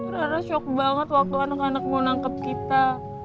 karena shock banget waktu anak anak mau nangkep kita